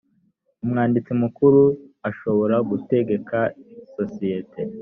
umwanditsi mukuru ashobora gutegeka isosiyete